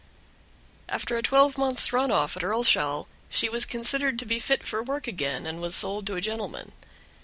After a twelvemonth's run off at Earlshall, she was considered to be fit for work again, and was sold to a gentleman.